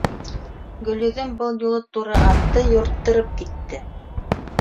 Гөлйөҙөм был юлы туры атты юрттырып китте.